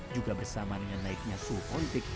juga bersamaan dengan naiknya suhu politik